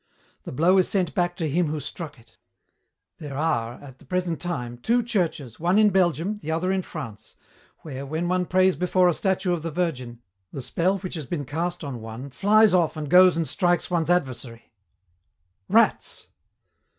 The blow is sent back to him who struck it. There are, at the present time, two churches, one in Belgium, the other in France, where, when one prays before a statue of the Virgin, the spell which has been cast on one flies off and goes and strikes one's adversary." "Rats!"